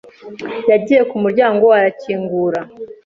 yagiye ku muryango arakingura.